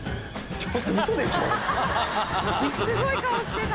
すごい顔してた！